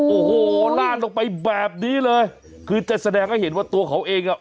โอ้โหลาดลงไปแบบนี้เลยคือจะแสดงให้เห็นว่าตัวเขาเองอ่ะ